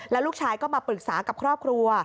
ลูกชายก็มาปรึกษากับครอบครัว